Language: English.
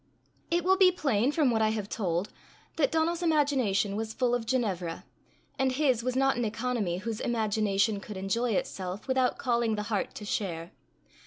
It will be plain from what I have told, that Donal's imagination was full of Ginevra, and his was not an economy whose imagination could enjoy itself without calling the heart to share.